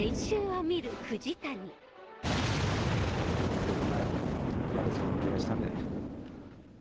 ここならやれそうな気がしたんで。